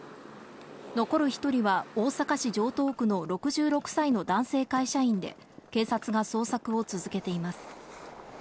残る１人は大阪市城東区の６６歳の男性会社員で、警察が捜索を続けています。